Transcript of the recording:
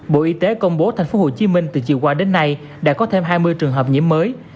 bộ y tế công bố tp hcm từ chiều qua đến nay đã có thêm hai mươi trường hợp nhiễm mới